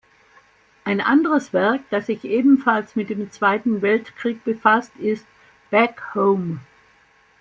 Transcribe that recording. Ein anderes Werk, das sich ebenfalls mit dem Zweiten Weltkrieg befasst, ist "Back Home".